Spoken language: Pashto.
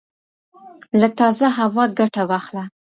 له تازه هوا ګټه واخله